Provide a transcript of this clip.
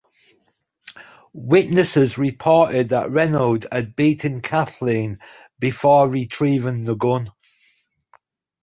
Witnesses reported that Reynolds had beaten Kathleen before retrieving the gun.